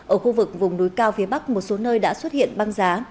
ở khu vực vùng núi cao phía bắc một số nơi đã xuất hiện băng giá